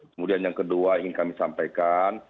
kemudian yang kedua ingin kami sampaikan